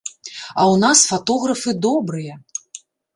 А ў нас фатографы добрыя.